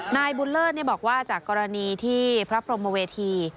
นายบุญเลิศบอกว่าจากกรณีที่พระพรมเวที